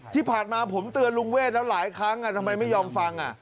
ที่ผ่านมาผมเตือนลุงเวทแล้วหลายครั้งทำไมไม่ยอมฟัง